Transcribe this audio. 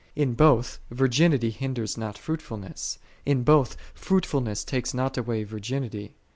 In both virginity hindeis not fruitfulness: in both fruitfulness takes not away virginity.